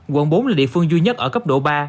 quận bốn là địa phương duy nhất ở cấp độ ba